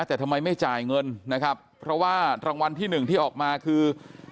แต่ทำไมไม่จ่ายเงินนะครับเพราะว่ารางวัลที่หนึ่งที่ออกมาคือ